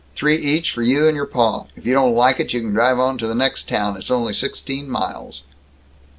Three each for you and your pa. If you don't like it you can drive on to the next town. It's only sixteen miles!"